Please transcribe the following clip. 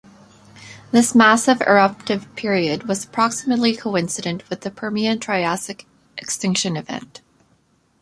This massive eruptive period was approximately coincident with the Permian-Triassic extinction event.